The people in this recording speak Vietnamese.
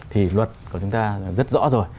thì luật của chúng ta rất rõ rồi